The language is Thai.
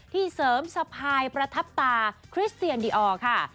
เสริมสะพายประทับตาคริสเตียนดีออร์ค่ะ